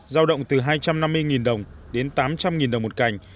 giao động từ hai trăm năm mươi đồng đến tám trăm linh đồng một cành